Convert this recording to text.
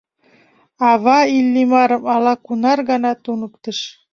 Ава Иллимарым ала-кунар гана туныктыш: